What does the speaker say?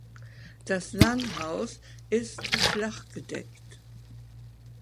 Das Langhaus ist flachgedeckt.